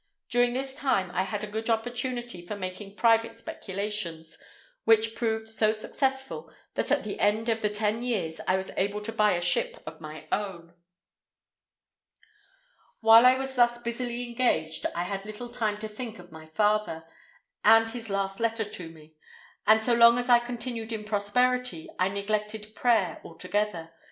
During this time, I had a good opportunity for making private speculations, which proved so successful, that at the end of the ten years I was able to buy a ship of my own. "While I was thus busily engaged, I had little time to think of my father, and his last letter to me; and so long as I continued in prosperity, I neglected prayer altogether.